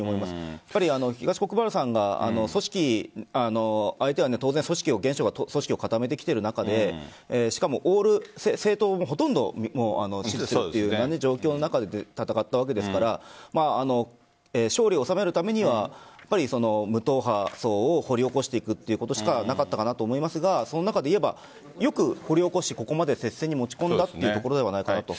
やっぱり東国原さんが相手は当然組織を現職で固めてきている中でしかもオール無政党という状況の中で戦ったわけですから勝利を収めるためには無党派層を掘り起こしていくということしかなかったかなと思いますがその中でいえばよく掘り起こして、ここまで接戦に持ち込んだというところではないかなと。